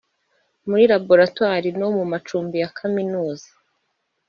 muri laboratwari no mu macumbi ya kaminuza